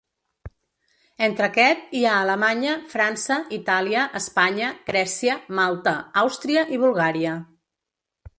Entre aquest hi ha Alemanya, França, Itàlia, Espanya, Grècia, Malta, Àustria i Bulgària.